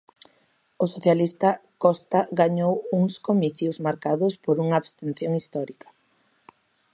O socialista Costa gañou uns comicios marcados por unha abstención histórica.